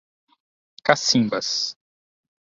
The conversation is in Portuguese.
Cacimbas